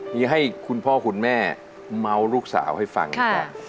มีให้คุณพ่อคุณแม่เมาส์ลูกสาวให้ฟังก่อน